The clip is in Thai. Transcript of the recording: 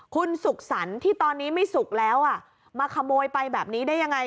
คุณสุขสรรค์ที่ตอนนี้ไม่สุกแล้วอ่ะมาขโมยไปแบบนี้ได้ยังไง